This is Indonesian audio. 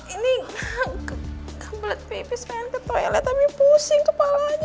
ini kambilet pipi saya yang ke toilet tapi pusing kepalanya tiba tiba